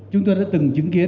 chúng tôi đã từng chứng kiến